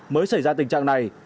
mới xảy ra tình trạng này